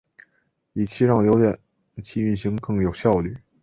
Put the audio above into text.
以期让浏览器运行更有效率。